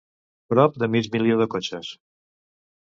Prop de mig milió de cotxes.